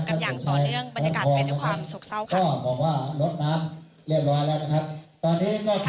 กันอย่างต่อเนื่องบรรยากาศเป็นด้วยความโศกเศร้าค่ะ